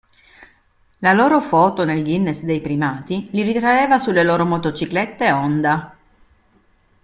La loro foto nel Guinness dei primati li ritraeva sulle loro motociclette Honda.